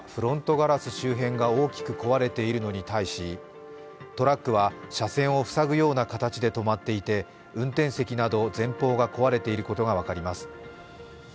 ガラス周辺が、大きく壊れているのに対し、トラックは車線を塞ぐような形で止まっていて運転席など前方が壊れていることが分かります。